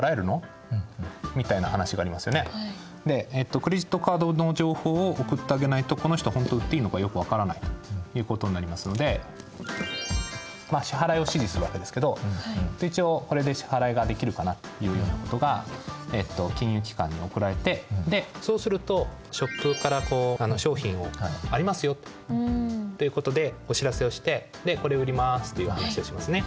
クレジットカードの情報を送ってあげないとこの人は本当に売っていいのかよく分からないということになりますので支払いを指示するわけですけど一応これで支払いができるかなというようなことが金融機関に送られてそうするとショップから商品ありますよということでお知らせをしてこれを売りますという話をしますね。